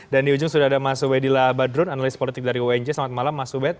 dan di ujung sudah ada mas uwedila badrun analis politik dari ong selamat malam mas uwed